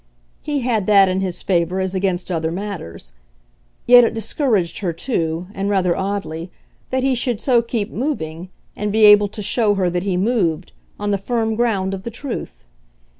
He had that in his favour as against other matters; yet it discouraged her too, and rather oddly, that he should so keep moving, and be able to show her that he moved, on the firm ground of the truth.